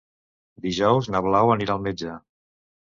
Dijous na Blau anirà al metge.